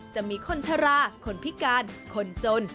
จะมีคนชะลาคนพิการคนจน